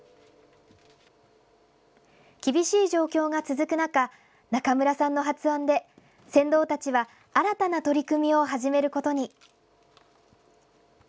厳しい状況が続く中、中村さんの発案で、船頭たちは新たな取り組みを始めることに。